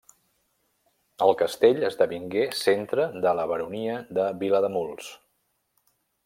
El castell esdevingué centre de la baronia de Vilademuls.